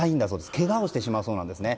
けがをしてしまうそうなんですね。